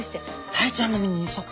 タイちゃんの身にそっくりですね。